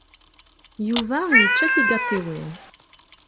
Yuba yečča tigaṭiwin.